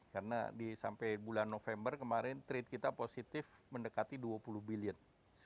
karena sampai bulan november kemarin trade kita positif mendekati dua puluh billion